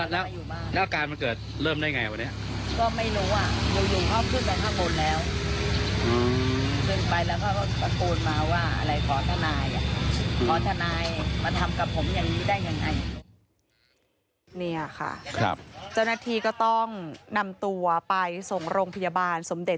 และอาการมันกันเกิดเริ่มได้อย่างไรเปล่านี้